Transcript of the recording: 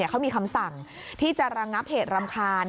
เขามีคำสั่งที่จะระงับเหตุรำคาญ